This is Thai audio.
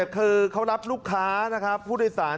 คือเขารับลูกค้านะครับผู้โดยสาร